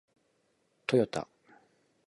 トヨタ